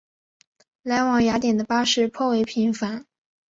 来往雅典的巴士颇为频繁。